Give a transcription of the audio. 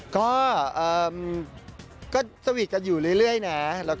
ก็สวีทกันอยู่เรื่อยนะ